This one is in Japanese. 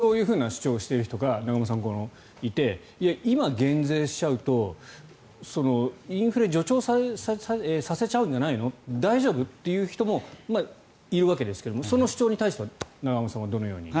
さっき言っている右の上の部分ですがそういうふうな主張をしている人がいて今、減税しちゃうとインフレを助長させちゃうんじゃないの大丈夫？という人もいるわけですがその主張に対しては永濱さんはどのように？